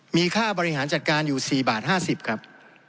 มีค่าบริหารจัดการอยู่๔บาท๕๐ครับ